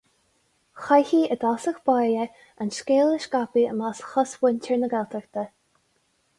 Chaithfí i dtosach báire an scéal a scaipeadh i measc chosmhuintir na Gaeltachta.